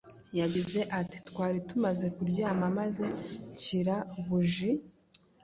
Yagize ati:“Twari tumaze kuryama maze nshyira buji